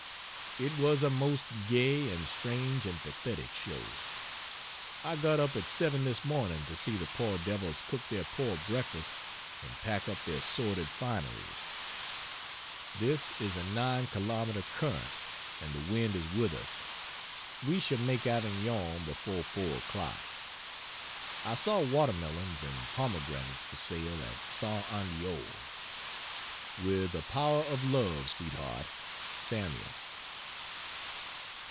It was a most gay and strange and pathetic show. I got up at 7 this morning to see the poor devils cook their poor breakfast and pack up their sordid fineries. This is a 9 k m. current and the wind is with us; we shall make Avignon before 4 o'clock. I saw watermelons and pomegranates for sale at St. Andeol. With a power of love, Sweetheart, SAML.